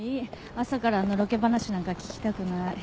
朝からのろけ話なんか聞きたくない。